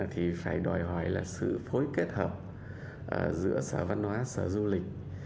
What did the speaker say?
thì phải đòi hỏi là sự phối kết hợp giữa sở văn hóa sở du lịch